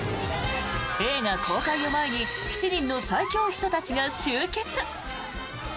映画公開を前に７人の最強秘書たちが集結。